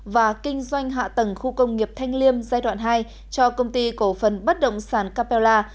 và kinh doanh hạ tầng khu công nghiệp thanh liêm giai đoạn hai cho công ty cổ phần bất động sản capella